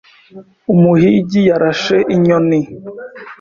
Umuhigi yarashe inyoni.